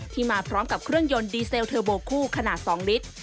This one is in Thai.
มาพร้อมกับเครื่องยนต์ดีเซลเทอร์โบคู่ขนาด๒ลิตร